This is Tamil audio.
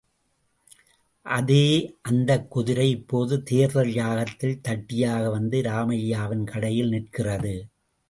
அதே அந்த குதிரை, இப்போது தேர்தல் யாகத்தில், தட்டியாக வந்து ராமையாவின் கடையில் நிற்கிறது.